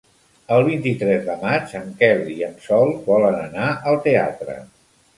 El vint-i-tres de maig en Quel i en Sol volen anar al teatre.